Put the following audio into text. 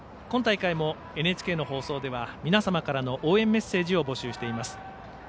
今大会もＮＨＫの放送では皆様からの応援メッセージを募集しています。